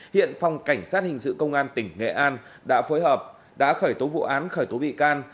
hiện phòng cảnh sát hình sự công an tỉnh nghệ an đã phối hợp đã khởi tố vụ án khởi tố bị can